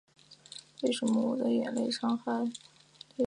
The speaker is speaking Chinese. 生于横滨。